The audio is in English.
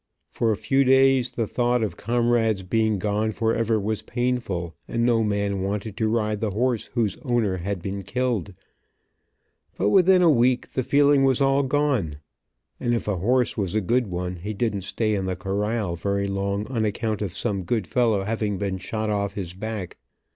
For a few days the thought of comrades being gone forever, was painful, and no man wanted to ride the horse whose owner had been killed, but within a week the feeling was all gone, and if a horse was a good one he didn't stay in the corral very long on account of some good fellow having been shot off his back.